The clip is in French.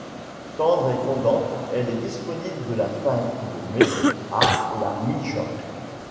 Tendre et fondante, elle est disponible de la fin de mai à la mi-juin.